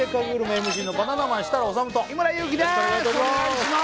ＭＣのバナナマン設楽統と日村勇紀です